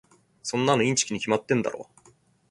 そんなのインチキに決まってるだろ。